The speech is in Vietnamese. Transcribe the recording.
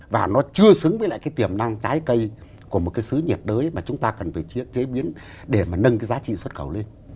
và nó chưa xứng với lại cái tiềm năng trái cây của một cái sứ nhiệt đới mà chúng ta cần phải chế biến để mà nâng cái giá trị xuất khẩu lên